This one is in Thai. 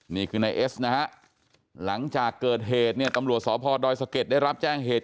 นี่คือนายเอสนะฮะหลังจากเกิดเหตุเนี่ยตำรวจสพดอยสะเก็ดได้รับแจ้งเหตุ